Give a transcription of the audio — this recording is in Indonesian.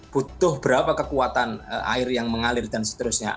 butuh berapa kekuatan air yang mengalir dan seterusnya